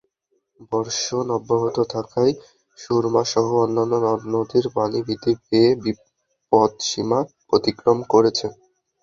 বর্ষণ অব্যাহত থাকায় সুরমাসহ অন্যান্য নদ-নদীর পানি বৃদ্ধি পেয়ে বিপৎসীমা অতিক্রম করেছে।